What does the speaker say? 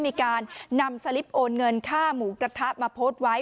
มีการนำสลิปโอนเงินค่าหมูกระทะมาโพสต์ไว้